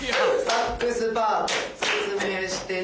サックスパートを説明してね。